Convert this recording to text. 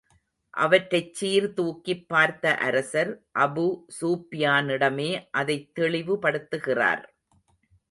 அவற்றைச் சீர் தூக்கிப் பார்த்த அரசர், அபூ ஸூப்யானிடமே அதைத் தெளிவுபடுத்துகிறார்.